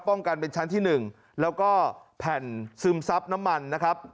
ป้องกันเป็นชั้นที่๑แล้วก็แผ่นซึมซับน้ำมันนะครับ